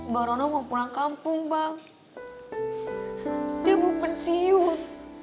barono mau pulang kampung mbak dia mau pensiun